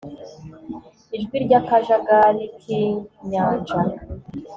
Ijwi ryakajagari kinyanja